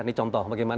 ini contoh bagaimana